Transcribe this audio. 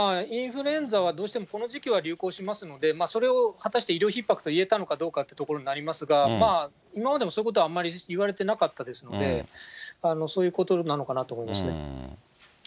インフルエンザはどうしてもこの時期は流行しますので、それを果たして医療ひっ迫といえるのかどうかということになりますが、今までもそういうことはあまり言われてなかったですので、そういうことなのかなと思いますね。